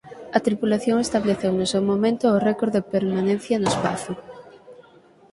A tripulación estableceu no seu momento o récord de permanencia no espazo.